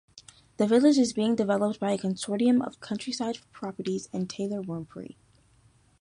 The village is being developed by a consortium of Countryside Properties and Taylor Wimpey.